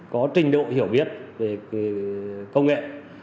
có trình độ hiểu biết về công nghệ